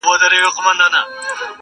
په خپل شعر او ستا په ږغ یې ویښومه!!